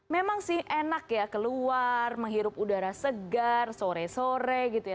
memang sih enak ya keluar menghirup udara segar sore sore gitu ya